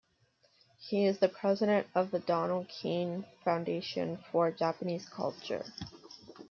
He is the president of the Donald Keene Foundation for Japanese Culture.